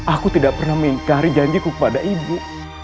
aku tidak pernah mencari janjiku kepada ibu